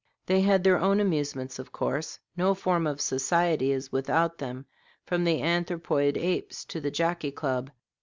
] They had their own amusements, of course; no form of society is without them, from the anthropoid apes to the Jockey Club.